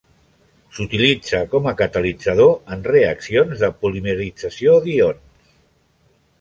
S'utilitza com a catalitzador en reaccions de polimerització d'ions.